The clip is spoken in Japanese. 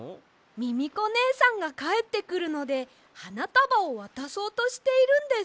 ミミコねえさんがかえってくるのではなたばをわたそうとしているんです！